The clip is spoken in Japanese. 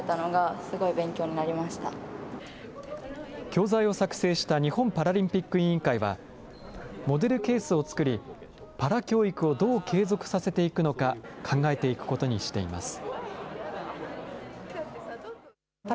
教材を作成した日本パラリンピック委員会は、モデルケースを作り、パラ教育をどう継続させていくのか考えていくことにしています。